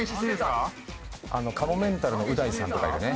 「かもめんたるのう大さんとかいるね」。